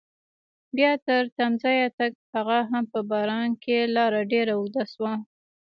بیا تر تمځایه تګ هغه هم په باران کې لاره ډېره اوږده شوه.